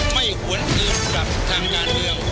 ไม่หวนอื่นกับทางงานเดียว